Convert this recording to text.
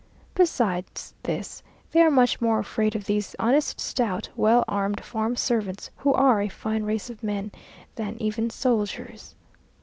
Besides this, they are much more afraid of these honest, stout, well armed farm servants, who are a fine race of men, than even soldiers.